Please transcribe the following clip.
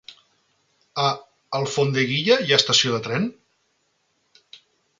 A Alfondeguilla hi ha estació de tren?